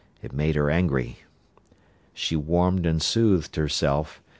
It made her angry. She warmed and soothed herself.